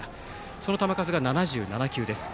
その球数が７７球です。